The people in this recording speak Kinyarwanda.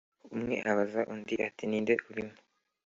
umwe abaza undi ati"ninde urimo